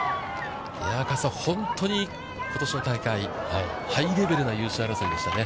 加瀬さん、本当に、ことしの大会はハイレベルな優勝争いでしたね。